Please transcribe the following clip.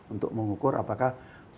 untuk mengukur apakah